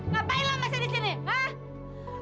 ngapain lo masih di sini hah